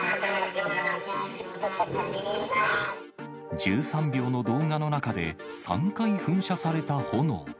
１３秒の動画の中で、３回噴射された炎。